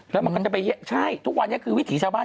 แล้วมันก็จะไปเยอะใช่ทุกวันนี้คือวิถีชาวบ้าน